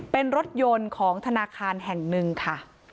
เป็นรถยนต์ของธนาคารแห่งหนึ่งค่ะ